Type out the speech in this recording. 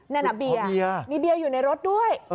นั่นน่ะเบียร์มีเบียร์อยู่ในรถด้วย